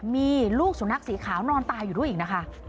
มีลูกสุนัขสีขาวนอนตายอยู่ด้วยอีกนะคะ